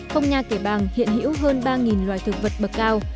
phong nha kẻ bàng hiện hữu hơn ba loài thực vật bậc cao